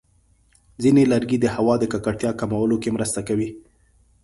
ځینې لرګي د هوا د ککړتیا کمولو کې مرسته کوي.